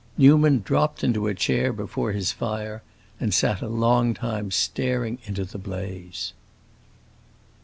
Newman dropped into a chair before his fire, and sat a long time staring into the blaze.